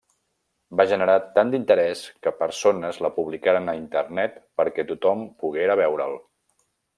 Va generar tant d'interès que persones la publicaren a Internet perquè tothom poguera veure'l.